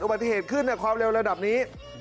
อุบัติเหตุขึ้นในความเร็วระดับนี้